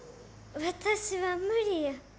私は無理や。